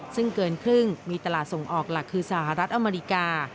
ซึ่งเกินครึ่งมีตลาดส่งออกหลักคือสหรัฐอเมริกา